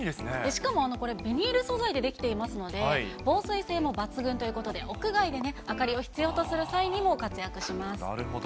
しかもこれ、ビニール素材で出来ていますので、防水性も抜群ということで、屋外でね、明かりを必要とする際にも活躍します。